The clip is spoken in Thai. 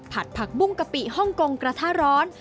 ผักบุ้งกะปิฮ่องกงกระทะร้อน